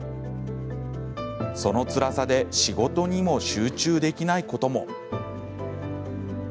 そのつらさで仕事にも集中できないことも。